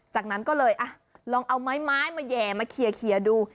จากนั้นก็เลยลองเอาไม้มาแห่มาเคลียร์ดู